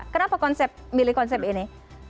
kenapa milih konsep ini